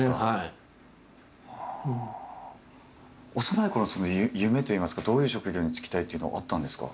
幼いころの夢といいますかどういう職業に就きたいというのはあったんですか？